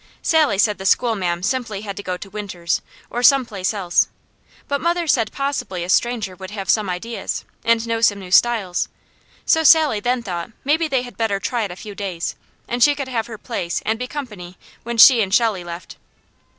Sally said the school ma'am simply had to go to Winters', or some place else, but mother said possibly a stranger would have some ideas, and know some new styles, so Sally then thought maybe they had better try it a few days, and she could have her place and be company when she and Shelley left.